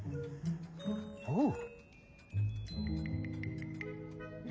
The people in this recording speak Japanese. おう！